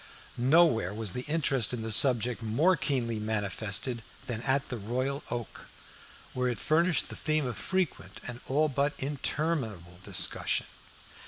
Nowhere was the interest in the subject more keenly manifested than at the Royal Oak, where it furnished the theme of frequent and all but interminable discussion.